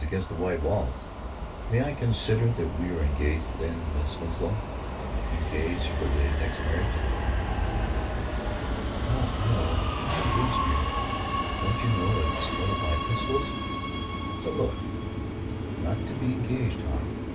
Against the white walls.... May I consider that we are engaged then, Miss Winslow—engaged for the next marriage?" "Oh no, no, not engaged, dear. Don't you know it's one of my principles——" "But look——" "——not to be engaged, Hawk?